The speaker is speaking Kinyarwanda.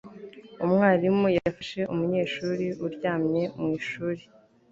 umwarimu yafashe umunyeshuri uryamye mu ishuri